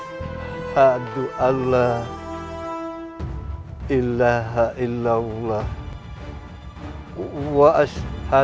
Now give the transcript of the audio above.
di jari delapan jangan melewatinya tanpa melakukan apa apa save